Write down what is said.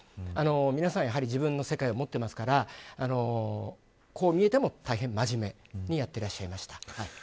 皆さん、やはり自分の世界を持っていますからこう見えても、大変真面目にやっていらっしゃいました。